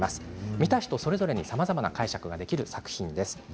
見た人それぞれさまざまな解釈ができる作品です。